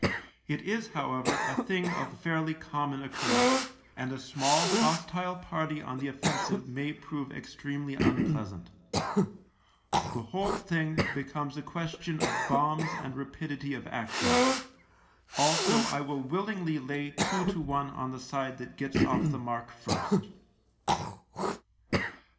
It is, however, a thing of fairly common occurrence, and a small hostile party on the offensive may prove extremely unpleasant. The whole thing be comes a question of bombs and rapidity of action. Also, I will willingly lay two to one on the side that gets off the mark first.